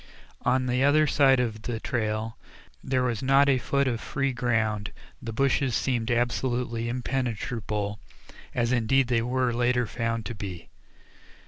On the other side of the trail there was not a foot of free ground; the bushes seemed absolutely impenetrable, as indeed they were later found to be.